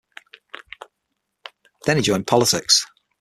Then he joined politics.